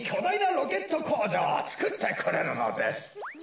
ロケットこうじょうをつくってくれるのです。